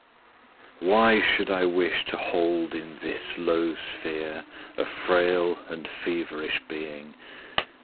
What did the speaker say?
WHY should I wish to hold in this low sphere 'A frail and feverish being?'